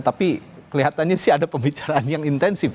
tapi kelihatannya sih ada pembicaraan yang intensif